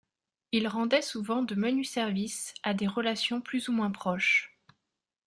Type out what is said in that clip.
Il rendait souvent de menus services à des relations plus ou moins proches.